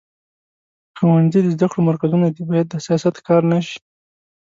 ښوونځي د زده کړو مرکزونه دي، باید د سیاست ښکار نه شي.